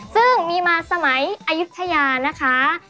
ซึ่งมีมาสมัยอายุทยานะคะ